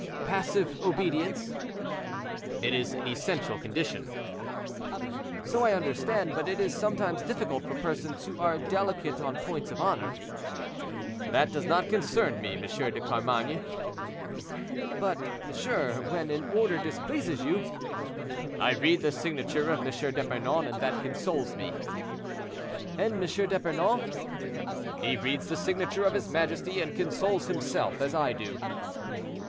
"Passive obedience." "It is an essential condition." "So I understand; but it is sometimes difficult for persons who are delicate on points of honor." "That does not concern me, M. de Carmainges." "But, monsieur, when an order displeases you—" "I read the signature of M. d'Epernon, and that consoles me." "And M. d'Epernon?" "He reads the signature of his majesty, and consoles himself as I do."